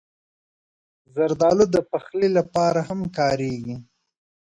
زردالو د پخلي لپاره هم کارېږي.